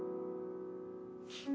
フッ。